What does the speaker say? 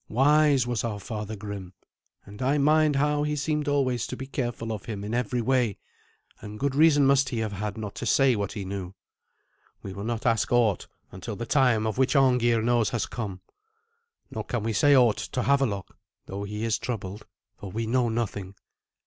Wise was our father Grim, and I mind how he seemed always to be careful of him in every way, and good reason must he have had not to say what he knew. We will not ask aught until the time of which Arngeir knows has come. Nor can we say aught to Havelok, though he is troubled, for we know nothing.